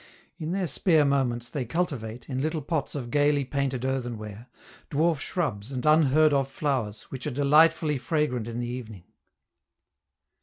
In their spare moments they cultivate, in little pots of gayly painted earthenware, dwarf shrubs and unheard of flowers which are delightfully fragrant in the evening.